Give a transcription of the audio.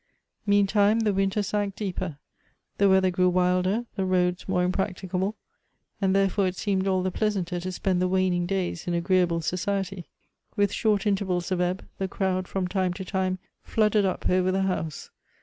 Meantime the winter sank deeper'; the weather grew wilder, the roads more impracticable, and therefore it seemed all the pleasanter to spend the waning days in agreeable society. With short intervals of ebb, the crowd from time to time flooded up over the house.